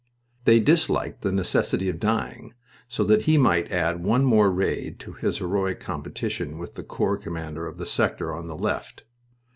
They disliked the necessity of dying so that he might add one more raid to his heroic competition with the corps commander of the sector on the left.